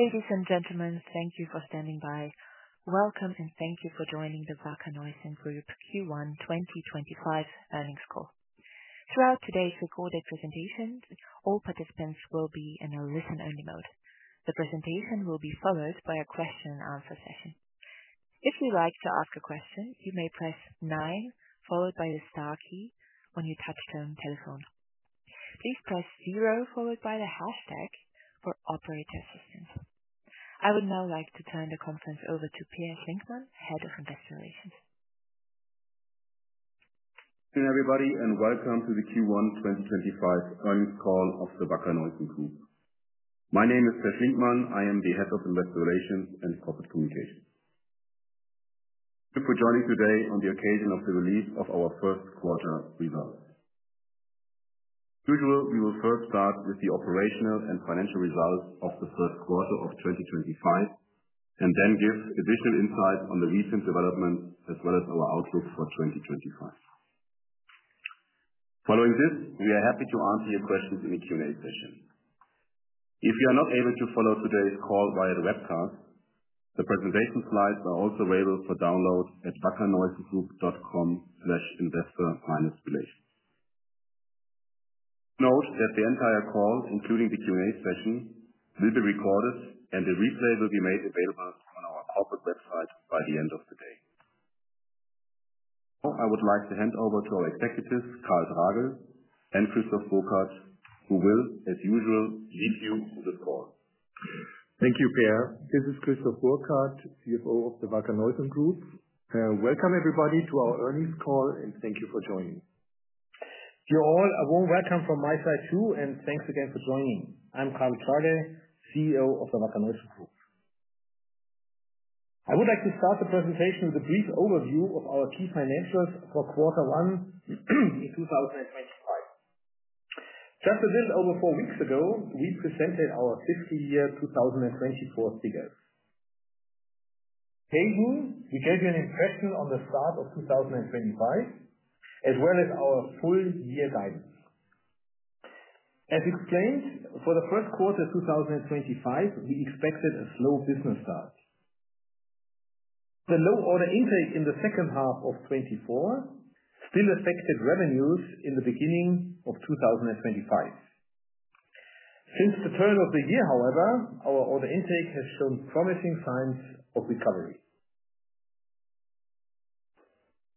Ladies and gentlemen, thank you for standing by. Welcome, and thank you for joining The Wacker Neuson Group Q1 2025 Earnings Call. Throughout today's recorded presentations, all participants will be in a listen-only mode. The presentation will be followed by a question-and-answer session. If you'd like to ask a question, you may press 9, followed by the star key, when you touch-tone telephone. Please press 0, followed by the #, for operator assistance. I would now like to turn the conference over to Pierre Schlinkmann, Head of Investor Relations. Good evening, everybody, and Welcome To The Q1 2025 Earnings Call Of The Wacker Neuson Group. My name is Pierre Schlinkmann. I am the Head of Investor Relations and Corporate Communications. Thank you for joining today on the occasion of the release of our first quarter results. As usual, we will first start with the operational and financial results of the first quarter of 2025, and then give additional insights on the recent developments, as well as our outlook for 2025. Following this, we are happy to answer your questions in the Q&A session. If you are not able to follow today's call via the webcast, the presentation slides are also available for download at wackerneusongroup.com/investor-relations. Please note that the entire call, including the Q&A session, will be recorded, and a replay will be made available on our corporate website by the end of the day. Now, I would like to hand over to our executives, Karl Tragl and Christoph Burkhard, who will, as usual, lead you through this call. Thank you, Pierre. This is Christoph Burkhard, CFO of the Wacker Neuson Group. Welcome, everybody, to our earnings call, and thank you for joining. Hello all. A warm welcome from my side too, and thanks again for joining. I'm Karl Tragl, CEO of the Wacker Neuson Group. I would like to start the presentation with a brief overview of our key financials for Quarter 1 in 2025. Just a little over four weeks ago, we presented our full-year 2024 figures. Previously, we gave you an impression on the start of 2025, as well as our full-year guidance. As explained, for the first quarter of 2025, we expected a slow business start. The low order intake in the second half of 2024 still affected revenues in the beginning of 2025. Since the turn of the year, however, our order intake has shown promising signs of recovery.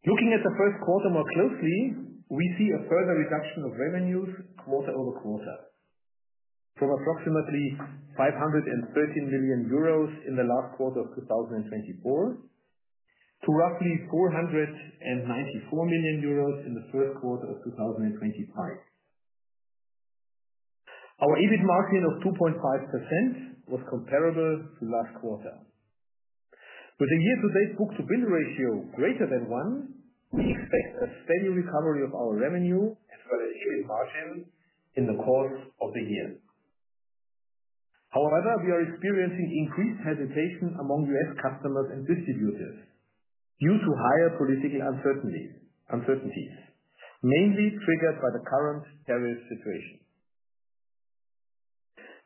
Looking at the first quarter more closely, we see a further reduction of revenues quarter-over-quarter, from approximately 513 million euros in the last quarter of 2024 to roughly 494 million euros in the first quarter of 2025. Our EBIT margin of 2.5% was comparable to last quarter. With a year-to-date book-to-bill ratio greater than 1, we expect a steady recovery of our revenue and further EBIT margin in the course of the year. However, we are experiencing increased hesitation among U.S. customers and distributors due to higher political uncertainties, mainly triggered by the current tariff situation.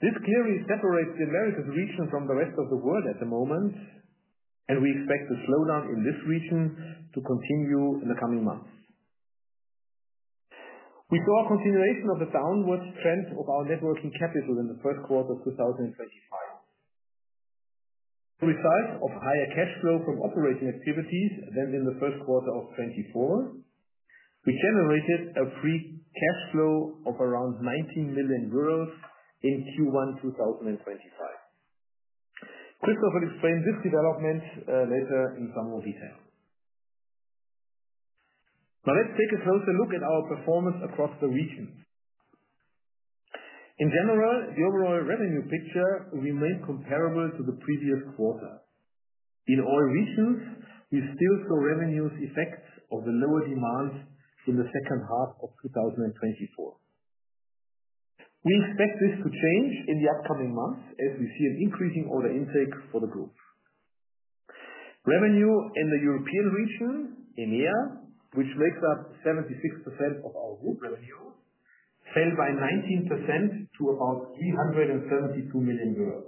This clearly separates the Americas region from the rest of the world at the moment, and we expect the slowdown in this region to continue in the coming months. We saw a continuation of the downward trend of our net working capital in the first quarter of 2025. As a result of higher cash flow from operating activities than in the first quarter of 2024, we generated a free cash flow of around 19 million euros in Q1 2025. Christoph will explain this development later in some more detail. Now, let's take a closer look at our performance across the region. In general, the overall revenue picture remained comparable to the previous quarter. In all regions, we still saw revenues effect of the lower demand in the second half of 2024. We expect this to change in the upcoming months as we see an increasing order intake for the group. Revenue in the European region, EMEA, which makes up 76% of our group revenue, fell by 19% to about 372 million euros.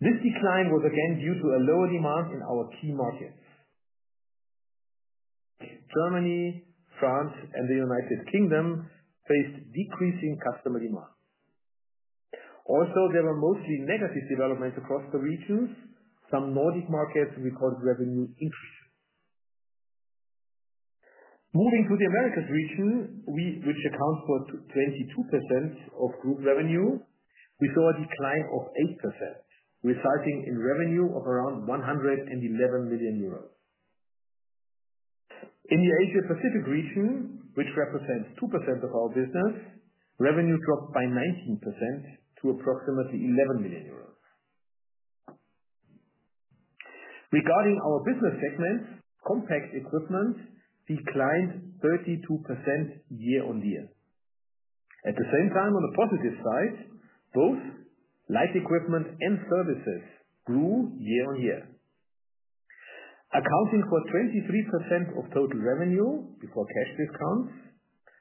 This decline was again due to a lower demand in our key markets. Germany, France, and the U.K. faced decreasing customer demand. Also, there were mostly negative developments across the regions. Some Nordic markets recorded revenue increases. Moving to the Americas region, which accounts for 22% of group revenue, we saw a decline of 8%, resulting in revenue of around 111 million euros. In the Asia-Pacific region, which represents 2% of our business, revenue dropped by 19% to approximately 11 million euros. Regarding our business segment, compact equipment declined 32% year-on-year. At the same time, on the positive side, both light equipment and services grew year-on-year. Accounting for 23% of total revenue before cash discounts,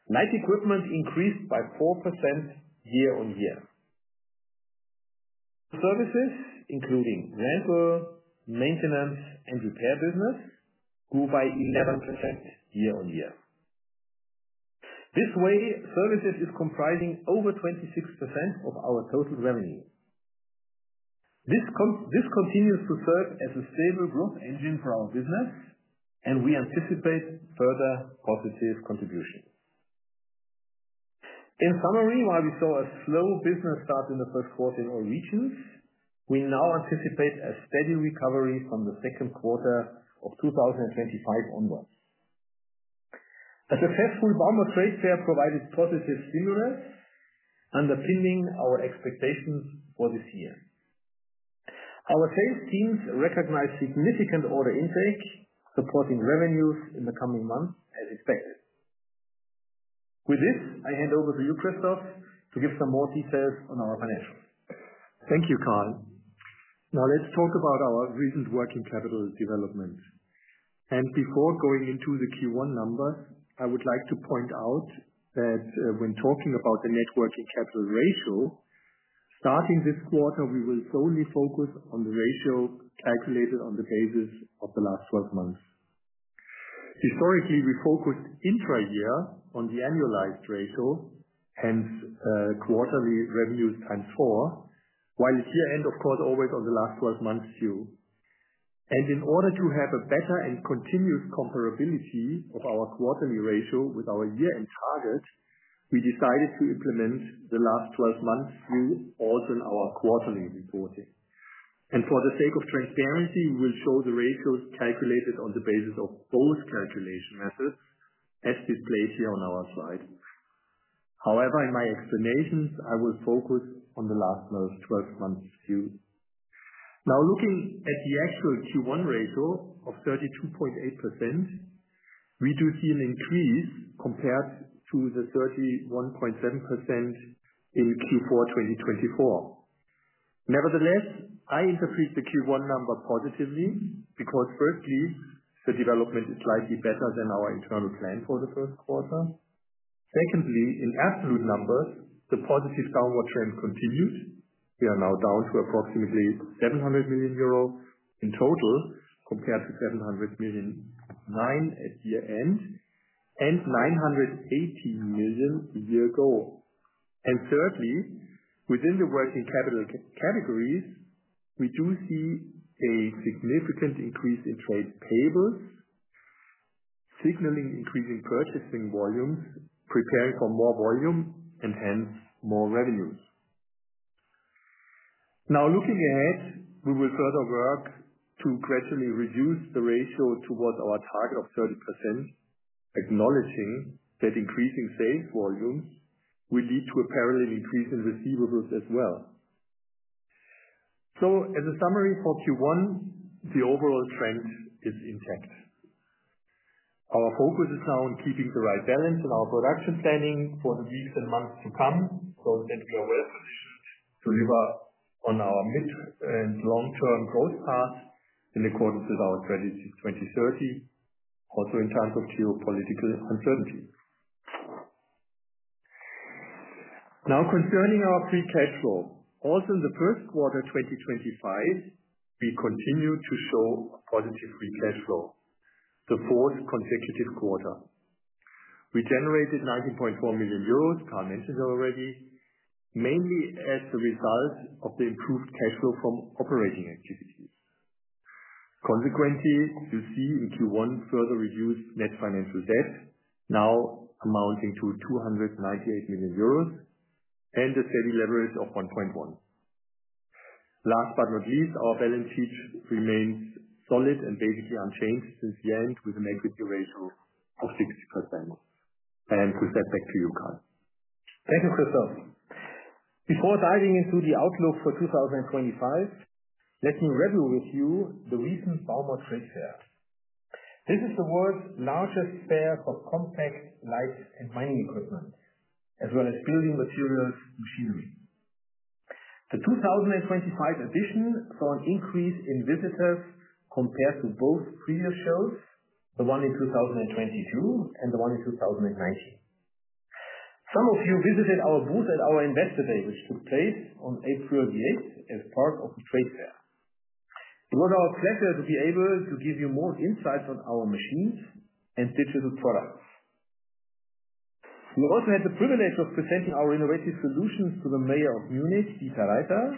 light equipment increased by 4% year-on-year. Services, including rental, maintenance, and repair business, grew by 11% year-on-year. This way, services is comprising over 26% of our total revenue. This continues to serve as a stable growth engine for our business, and we anticipate further positive contributions. In summary, while we saw a slow business start in the first quarter in all regions, we now anticipate a steady recovery from the second quarter of 2025 onwards. A successful Bauma trade fair provided positive stimulus, underpinning our expectations for this year. Our sales teams recognize significant order intake, supporting revenues in the coming months as expected. With this, I hand over to you, Christoph, to give some more details on our financials. Thank you, Karl. Now, let's talk about our recent working capital development. Before going into the Q1 numbers, I would like to point out that when talking about the net working capital ratio, starting this quarter, we will solely focus on the ratio calculated on the basis of the last 12 months. Historically, we focused intra-year on the annualized ratio, hence quarterly revenues times four, while year-end, of course, always on the last-12-months view. In order to have a better and continuous comparability of our quarterly ratio with our year-end target, we decided to implement the last 12 months view also in our quarterly reporting. For the sake of transparency, we will show the ratios calculated on the basis of both calculation methods, as displayed here on our slide. However, in my explanations, I will focus on the last 12 months view. Now, looking at the actual Q1 ratio of 32.8%, we do see an increase compared to the 31.7% in Q4 2024. Nevertheless, I interpret the Q1 number positively because, firstly, the development is slightly better than our internal plan for the first quarter. Secondly, in absolute numbers, the positive downward trend continued. We are now down to approximately 700 million euro in total compared to 700 million at year-end and 980 million a year ago. Thirdly, within the working capital categories, we do see a significant increase in trade payables, signaling increasing purchasing volumes, preparing for more volume, and hence more revenues. Now, looking ahead, we will further work to gradually reduce the ratio towards our target of 30%, acknowledging that increasing sales volumes will lead to a parallel increase in receivables as well. As a summary for Q1, the overall trend is intact. Our focus is now on keeping the right balance in our production planning for the weeks and months to come, so that we are well positioned to deliver on our mid- and long-term growth path in accordance with our Strategy 2030, also in terms of geopolitical uncertainty. Now, concerning our free cash flow, also in the first quarter of 2025, we continue to show a positive free cash flow, the fourth consecutive quarter. We generated 19.4 million euros, Karl mentioned already, mainly as the result of the improved cash flow from operating activities. Consequently, you see in Q1 further reduced net financial debt, now amounting to 298 million euros, and a steady leverage of 1.1. Last but not least, our balance sheet remains solid and basically unchanged since year-end, with an equity ratio of 60%. To step back to you, Karl. Thank you, Christoph. Before diving into the outlook for 2025, let me review with you the recent Bauma trade fair. This is the world's largest fair for compact, light, and mining equipment, as well as building materials machinery. The 2025 edition saw an increase in visitors compared to both previous shows, the one in 2022 and the one in 2019. Some of you visited our booth at our Investor Day, which took place on April the 8th as part of the trade fair. It was our pleasure to be able to give you more insights on our machines and digital products. We also had the privilege of presenting our innovative solutions to the Mayor of Munich, Dieter Reiter,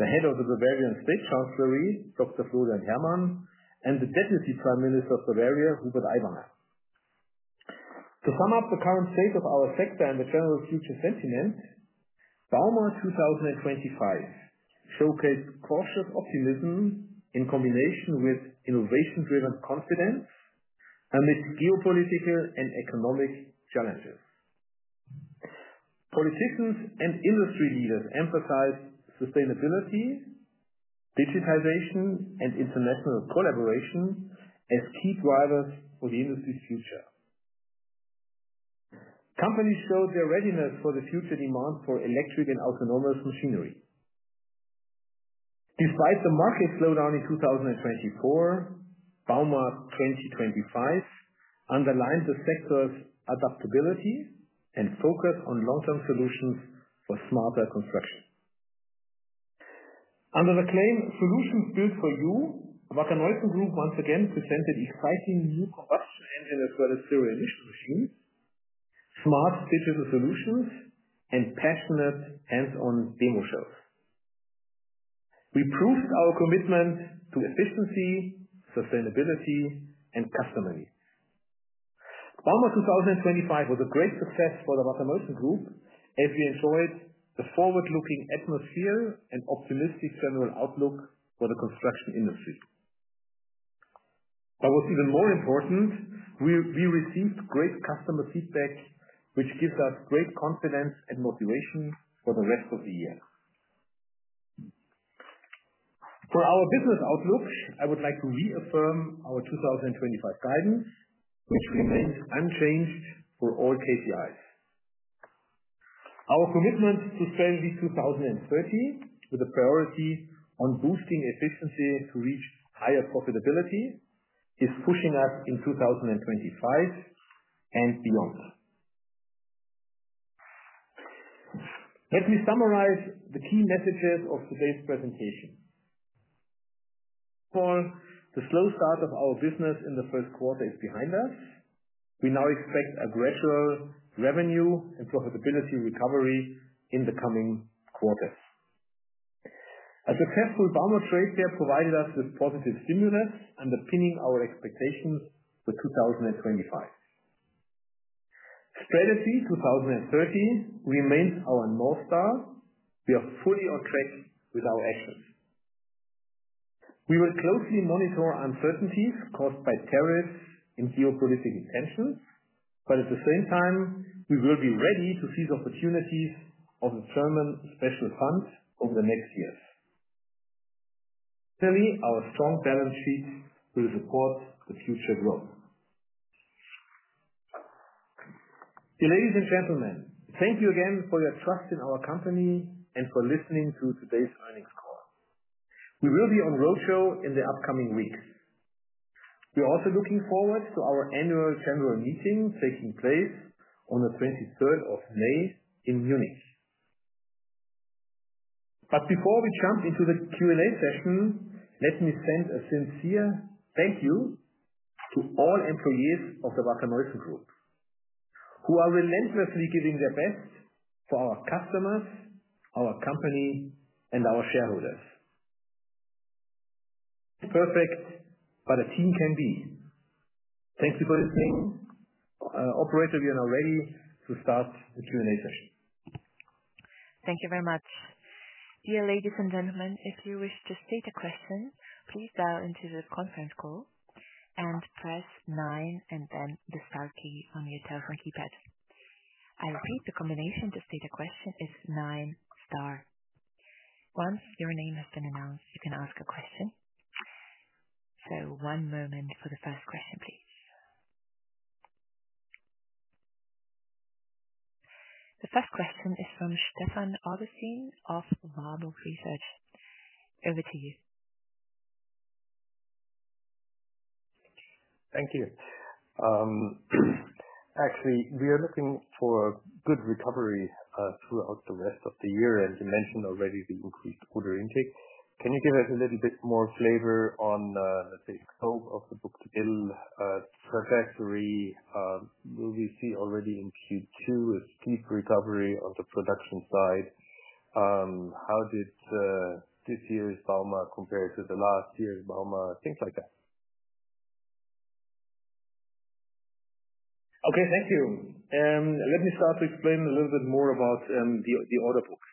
the Head of the Bavarian State Chancellery, Dr. Florian Herrmann, and the Deputy Prime Minister of Bavaria, Hubert Aiwanger. To sum up the current state of our sector and the general future sentiment, Bauma 2025 showcased cautious optimism in combination with innovation-driven confidence amidst geopolitical and economic challenges. Politicians and industry leaders emphasized sustainability, digitization, and international collaboration as key drivers for the industry's future. Companies showed their readiness for the future demand for electric and autonomous machinery. Despite the market slowdown in 2024, Bauma 2025 underlined the sector's adaptability and focus on long-term solutions for smarter construction. Under the claim, "Solutions built for you," Wacker Neuson Group once again presented exciting new combustion engine as well as serial initial machines, smart digital solutions, and passionate hands-on demo shows. We proved our commitment to efficiency, sustainability, and customer needs. Bauma 2025 was a great success for the Wacker Neuson Group as we enjoyed the forward-looking atmosphere and optimistic general outlook for the construction industry. What was even more important, we received great customer feedback, which gives us great confidence and motivation for the rest of the year. For our business outlook, I would like to reaffirm our 2025 guidance, which remains unchanged for all KPIs. Our commitment to Strategy 2030, with a priority on boosting efficiency to reach higher profitability, is pushing us in 2025 and beyond. Let me summarize the key messages of today's presentation. First of all, the slow start of our business in the first quarter is behind us. We now expect a gradual revenue and profitability recovery in the coming quarters. A successful Bauma trade fair provided us with positive stimulus, underpinning our expectations for 2025. Strategy 2030 remains our North Star. We are fully on track with our actions. We will closely monitor uncertainties caused by tariffs and geopolitical tensions, but at the same time, we will be ready to seize opportunities of the German Special Fund over the next years. Finally, our strong balance sheet will support the future growth. Ladies and gentlemen, thank you again for your trust in our company and for listening to today's earnings call. We will be on roadshow in the upcoming weeks. We are also looking forward to our Annual General Meeting taking place on the 23rd of May in Munich. Before we jump into the Q&A session, let me send a sincere thank you to all employees of the Wacker Neuson Group, who are relentlessly giving their best for our customers, our company, and our shareholders. Perfect that a team can be. Thank you for listening. Operator, you are now ready to start the Q&A session. Thank you very much. Dear ladies and gentlemen, if you wish to state a question, please dial into the conference call and press nine and then the star key on your telephone keypad. I repeat the combination to state a question is nine, star. Once your name has been announced, you can ask a question. One moment for the first question, please. The first question is from Stefan Augustin of Warburg Research. Over to you. Thank you. Actually, we are looking for a good recovery throughout the rest of the year, and you mentioned already the increased order intake. Can you give us a little bit more flavor on, let's say, scope of the book-to-bill? Perfectly, will we see already in Q2 a steep recovery on the production side? How did this year's Bauma compare to the last year's Bauma? Things like that. Okay, thank you. Let me start to explain a little bit more about the order books.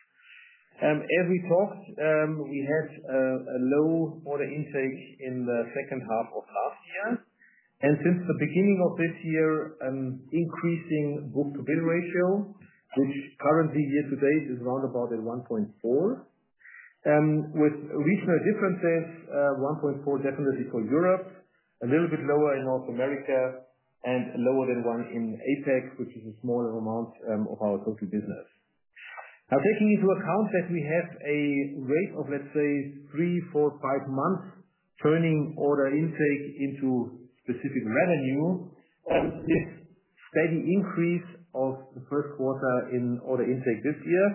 As we talked, we had a low order intake in the second half of last year. Since the beginning of this year, an increasing book-to-bill ratio, which currently year-to-date is round about at 1.4, with regional differences, 1.4 definitely for Europe, a little bit lower in North America, and lower than one in Asia-Pacific, which is a smaller amount of our total business. Now, taking into account that we have a rate of, let's say, three, four, five months turning order intake into specific revenue, this steady increase of the first quarter in order intake this year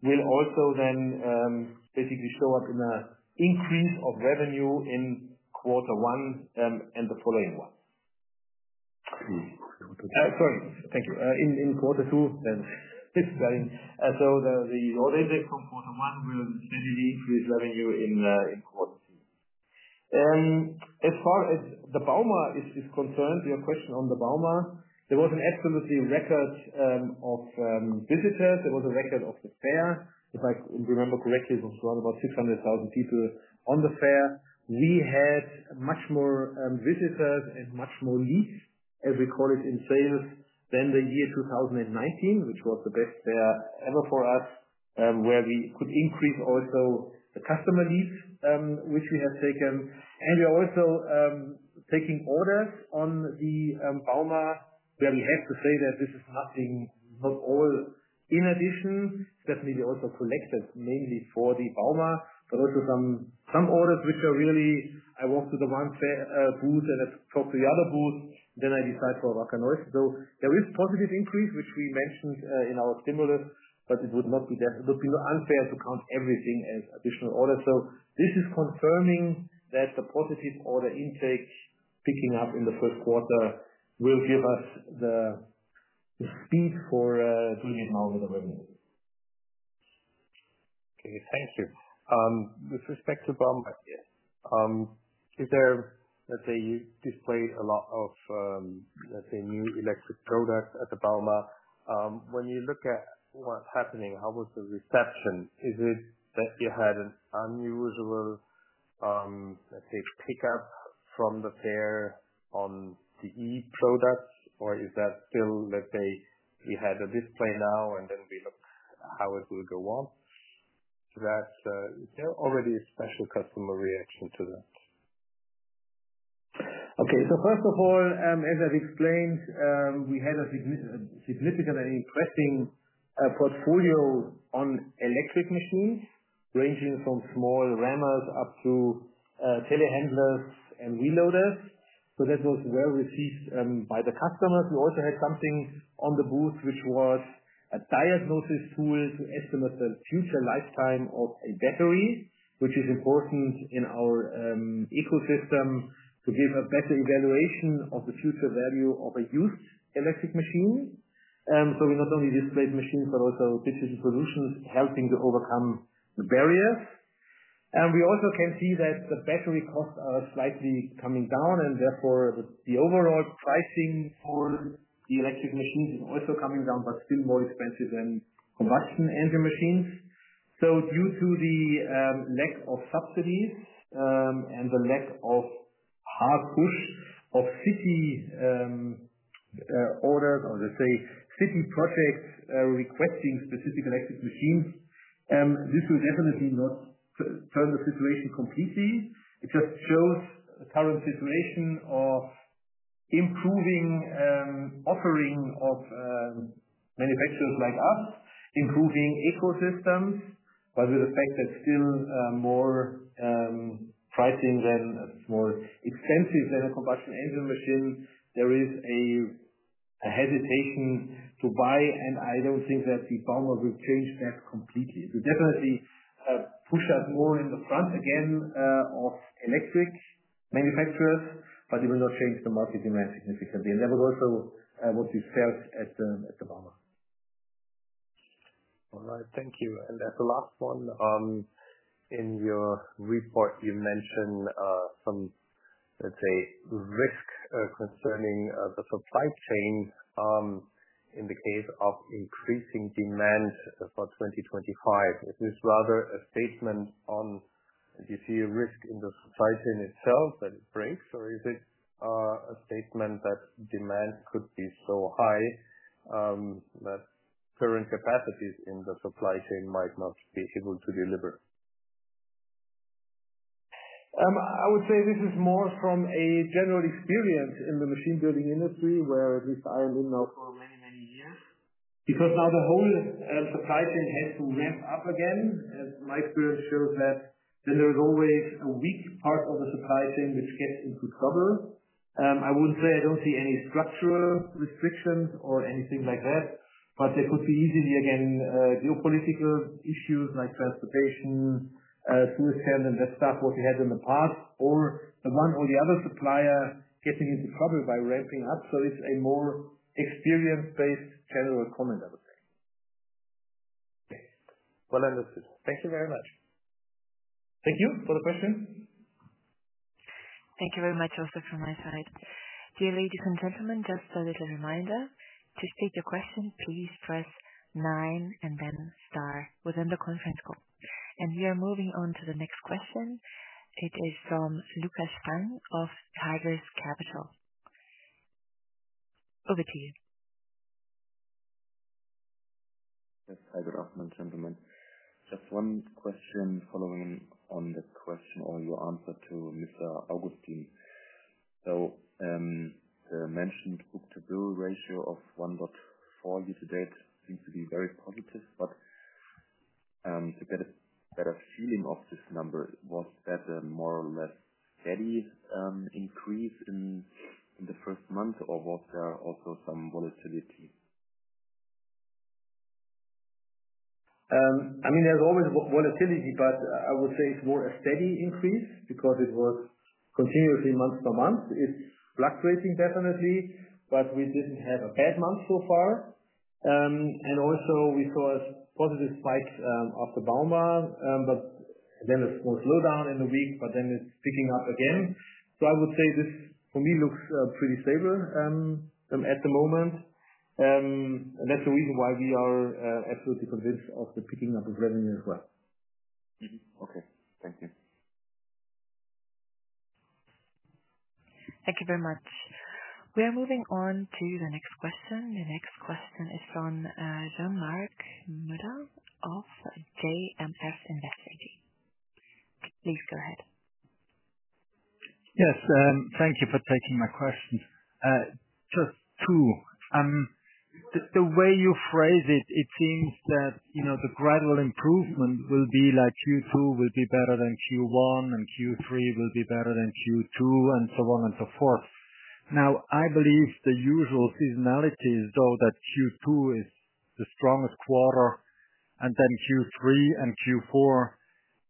will also then basically show up in an increase of revenue in quarter one and the following one. Sorry, thank you. In quarter two, the order intake from quarter one will steadily increase revenue in quarter two. As far as the Bauma is concerned, your question on the Bauma, there was an absolute record of visitors. There was a record of the fair. If I remember correctly, it was around 600,000 people on the fair. We had much more visitors and much more leads, as we call it in sales, than the year 2019, which was the best fair ever for us, where we could also increase the customer leads, which we have taken. We are also taking orders on the Bauma, where we have to say that this is nothing, not all in addition. It's definitely also collected mainly for the Bauma, but also some orders which are really, I walk to the one booth and I talk to the other booth, then I decide for Wacker Neuson. There is positive increase, which we mentioned in our stimulus, but it would not be unfair to count everything as additional orders. This is confirming that the positive order-intake picking up in the first quarter will give us the speed for doing it now with the revenue. Okay, thank you. With respect to Bauma here, let's say you displayed a lot of, let's say, new electric products at the Bauma. When you look at what's happening, how was the reception? Is it that you had an unusual, let's say, pickup from the fair on the e-products, or is that still, let's say, we had a display now and then we looked how it will go on? Is that already a special customer reaction to that? Okay, so first of all, as I've explained, we had a significant and impressive portfolio on electric machines, ranging from small rammers up to telehandlers and wheel loaders. That was well received by the customers. We also had something on the booth, which was a diagnosis tool to estimate the future lifetime of a battery, which is important in our ecosystem to give a better evaluation of the future value of a used electric machine. We not only displayed machines, but also digital solutions helping to overcome the barriers. We also can see that the battery costs are slightly coming down, and therefore the overall pricing for the electric machines is also coming down, but still more expensive than combustion-engine machines. Due to the lack of subsidies and the lack of hard push of city orders, or let's say city projects requesting specific electric machines, this will definitely not turn the situation completely. It just shows the current situation of improving offering of manufacturers like us, improving ecosystems, but with the fact that still more pricing than a more expensive than a combustion-engine machine, there is a hesitation to buy, and I don't think that the Bauma will change that completely. It will definitely push us more in the front again of electric manufacturers, but it will not change the market demand significantly. That was also what we felt at the Bauma. All right, thank you. As the last one, in your report, you mentioned some, let's say, risk concerning the supply chain in the case of increasing demand for 2025. Is this rather a statement on, do you see a risk in the supply chain itself that it breaks, or is it a statement that demand could be so high that current capacities in the supply chain might not be able to deliver? I would say this is more from a general experience in the machine-building industry, where at least I am in now for many, many years. Because now the whole supply chain has to ramp-up again, as my experience shows that there is always a weak part of the supply chain which gets into trouble. I would not say I do not see any structural restrictions or anything like that, but there could be easily again geopolitical issues like transportation, Suez, and that stuff, what we had in the past, or one or the other supplier getting into trouble by ramping up. So it is a more experience-based general comment, I would say. Thank you very much. Thank you for the question. Thank you very much also from my side. Dear ladies and gentlemen, just a little reminder. To state your question, please press nine and then star within the conference call. We are moving on to the next question. It is from Lukas Sprang of Tiger Capital. Over to you. Yes, hi there gentlemen. Just one question following on the question or your answer to Mr. Augustin. The mentioned book-to-bill ratio of 1.4 year-to-date seems to be very positive, but to get a better feeling of this number, was that a more or less steady increase in the first month, or was there also some volatility? I mean, there's always volatility, but I would say it's more a steady increase because it was continuously month by month. It's fluctuating definitely, but we didn't have a bad month so far. We also saw a positive spike at Bauma, but then a small slowdown in the week, but then it's picking up again. I would say this, for me, looks pretty stable at the moment. That's the reason why we are absolutely convinced of the picking up of revenue as well. Okay, thank you. Thank you very much. We are moving on to the next question. The next question is from Jean-Marc Mueller of JMS Investing. Please go ahead. Yes, thank you for taking my question. Just two. The way you phrase it, it seems that the gradual improvement will be like Q2 will be better than Q1, and Q3 will be better than Q2, and so on and so forth. Now, I believe the usual seasonality is, though, that Q2 is the strongest quarter, and then Q3 and Q4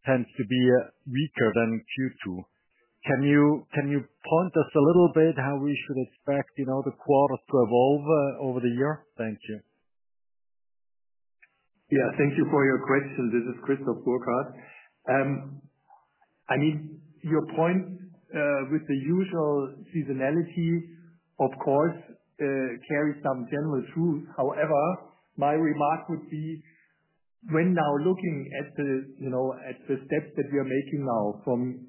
tend to be weaker than Q2. Can you point us a little bit how we should expect the quarters to evolve over the year? Thank you. Yeah, thank you for your question. This is Christoph Burkhard. I mean, your point with the usual seasonality, of course, carries some general truth. However, my remark would be, when now looking at the steps that we are making now from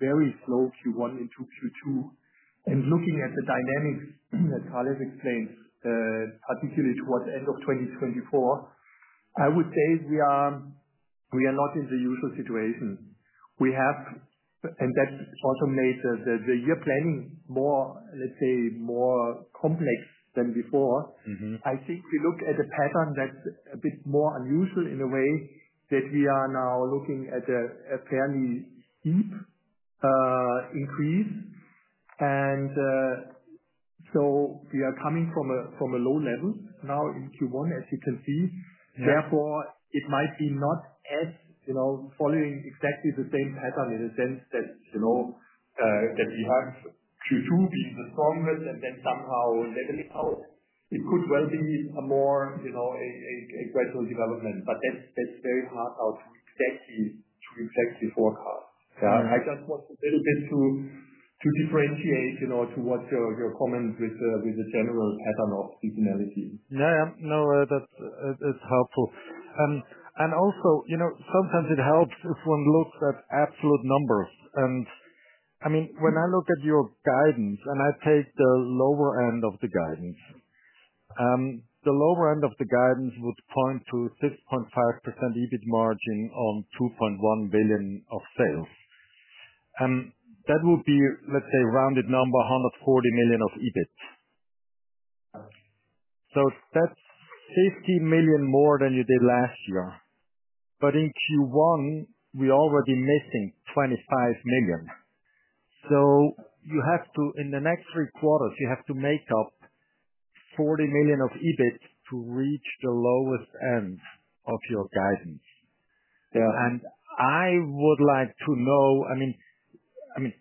very slow Q1 into Q2, and looking at the dynamics that Karl has explained, particularly towards the end of 2024, I would say we are not in the usual situation. That also made the year-planning more, let's say, more complex than before. I think we look at a pattern that's a bit more unusual in a way that we are now looking at a fairly steep increase. We are coming from a low level now in Q1, as you can see. Therefore, it might be not as following exactly the same pattern in a sense that we have Q2 being the strongest and then somehow leveling out. It could well be a more gradual development, but that's very hard now to exactly forecast. I just want a little bit to differentiate to what's your comment with the general pattern of seasonality. Yeah, no, that's helpful. Also, sometimes it helps if one looks at absolute numbers. I mean, when I look at your guidance, and I take the lower-end of the guidance, the lower-end of the guidance would point to a 6.5% EBIT margin on 2.1 billion of sales. That would be, let's say, rounded number, 140 million of EBIT. That's 15 million more than you did last year. In Q1, we're already missing 25 million. In the next three quarters, you have to make up 40 million of EBIT to reach the lowest end of your guidance. I would like to know, I mean,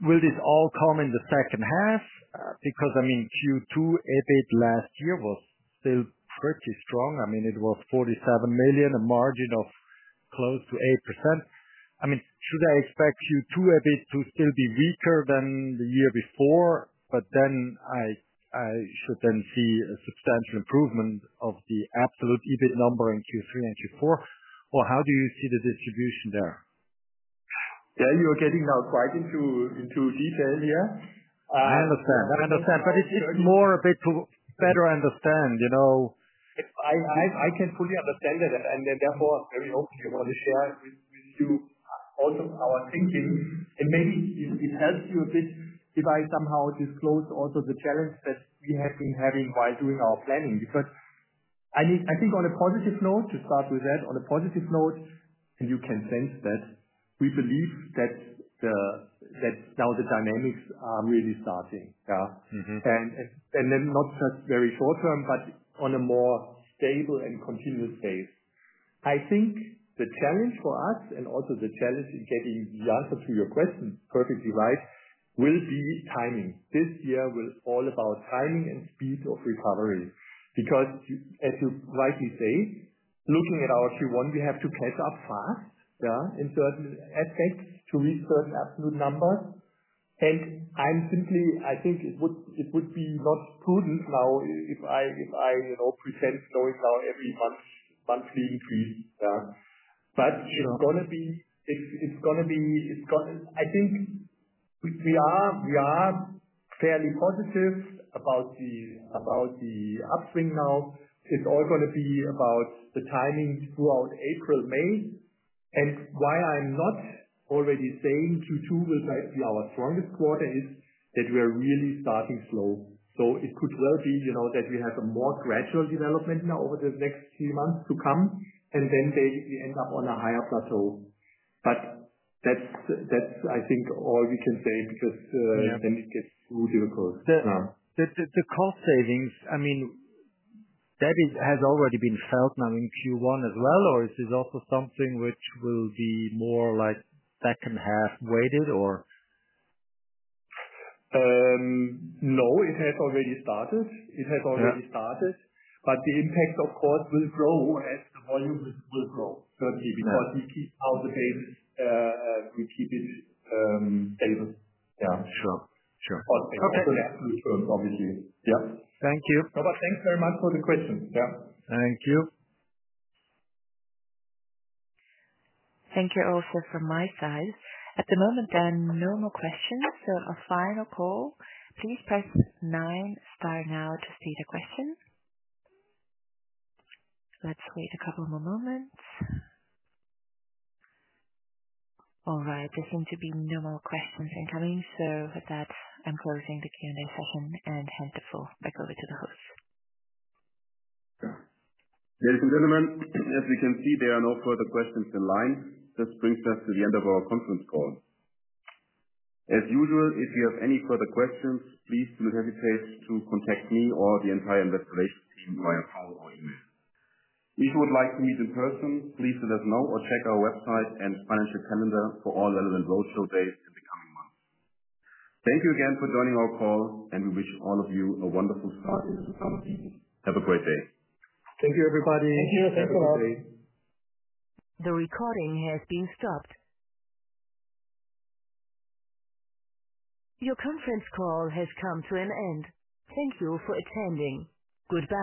will this all come in the second half? I mean, Q2 EBIT last year was still pretty strong. It was 47 million, a margin of close to 8%. I mean, should I expect Q2 EBIT to still be weaker than the year before, but then I should then see a substantial improvement of the absolute EBIT number in Q3 and Q4? Or how do you see the distribution there? Yeah, you're getting now quite into detail here. I understand, but it's more a bit to better understand. I can fully understand it, and therefore, very hopefully, I want to share with you also our thinking. Maybe it helps you a bit if I somehow disclose also the challenge that we have been having while doing our planning. I think on a positive note, to start with that, on a positive note, and you can sense that we believe that now the dynamics are really starting, yeah? Not just very short term, but on a more stable and continuous base. I think the challenge for us, and also the challenge in getting the answer to your question perfectly right, will be timing. This year will be all about timing and speed of recovery. As you rightly say, looking at our Q1, we have to catch-up fast, yeah, in certain aspects to reach certain absolute numbers. I think it would be not prudent now if I present knowing now every monthly increase, yeah? It is going to be, I think we are fairly positive about the upswing now. It is all going to be about the timing throughout April, May. Why I am not already saying Q2 will be our strongest quarter is that we are really starting slow. It could well be that we have a more gradual development now over the next few months to come, and then basically end up on a higher plateau. That is, I think, all we can say because then it gets too difficult. The cost savings, I mean, that has already been felt now in Q1 as well, or is this also something which will be more like second-half weighted? No, it has already started. It has already started. The impact, of course, will grow as the volume will grow, certainly, because we keep out the basis, we keep it stable. Sure. Sure. Cost savings in absolute terms, obviously. Yep. Thank you. Robert, thanks very much for the question. Yeah. Thank you. Thank you also from my side. At the moment, there are no more questions. A final call. Please press 9, star now to see the question. Let's wait a couple more moments. All right, there seem to be no more questions incoming. With that, I'm closing the Q&A session and hand the full mic over to the host. Ladies and gentlemen, as we can see, there are no further questions in line. This brings us to the end of our conference call. As usual, if you have any further questions, please do not hesitate to contact me or the entire Investor Relations team via phone or email. If you would like to meet in person, please let us know or check our website and financial calendar for all relevant roadshow days in the coming months. Thank you again for joining our call, and we wish all of you a wonderful start into the summer season. Have a great day. Thank you, everybody. Thank you. Thanks a lot. The recording has been stopped. Your conference call has come to an end. Thank you for attending. Goodbye.